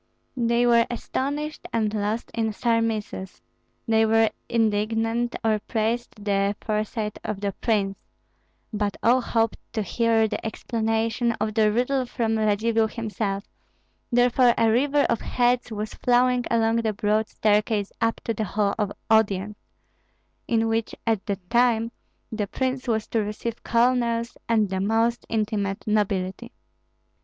They were astonished and lost in surmises, they were indignant or praised the foresight of the prince; but all hoped to hear the explanation of the riddle from Radzivill himself, therefore a river of heads was flowing along the broad staircase up to the hall of audience, in which at that time the prince was to receive colonels and the most intimate nobility.